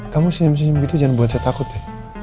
kamu senyum senyum begitu jangan buat saya takut ya